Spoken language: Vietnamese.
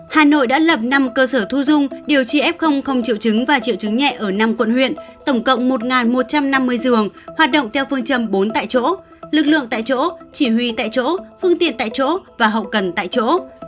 hà nội đã lập năm cơ sở thu dung điều trị f không triệu chứng và triệu chứng nhẹ ở năm quận huyện tổng cộng một một trăm năm mươi giường hoạt động theo phương châm bốn tại chỗ lực lượng tại chỗ chỉ huy tại chỗ phương tiện tại chỗ và hậu cần tại chỗ